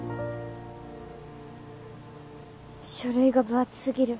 書類が分厚すぎる。